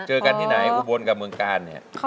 เจอกันที่ไหนอุบลกับเมืองกาลเนี่ย